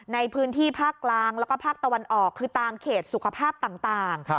ในพื้นที่ภาคกลางแล้วก็ภาคตะวันออกคือตามเขตสุขภาพต่าง